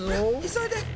急いで！